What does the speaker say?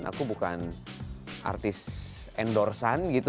aku bukan artis endorse an gitu